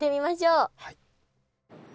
はい。